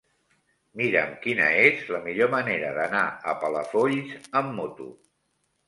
Mira'm quina és la millor manera d'anar a Palafolls amb moto.